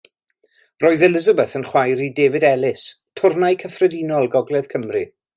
Roedd Elizabeth yn chwaer i David Ellis twrnai cyffredinol gogledd Cymru.